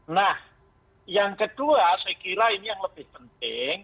nah yang kedua saya kira ini yang lebih penting